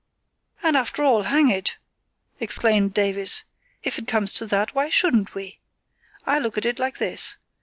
"And, after all, hang it!" exclaimed Davies, "if it comes to that, why shouldn't we? I look at it like this.